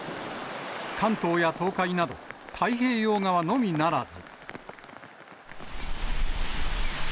関東や東海など、太平洋側のみならず。